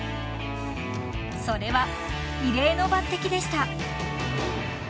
［それは異例の抜てきでした］